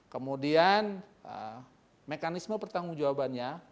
kemudian mekanisme pertanggung jawabannya